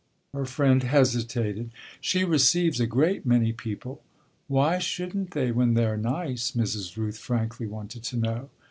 Her friend hesitated. "She receives a great many people." "Why shouldn't they when they're nice?" Mrs. Rooth frankly wanted to know.